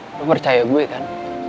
lo percaya gue kan